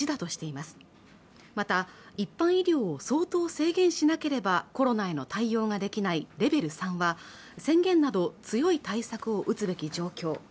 また一般医療を相当制限しなければコロナへの対応ができないレベル３は宣言など強い対策を打つべき状況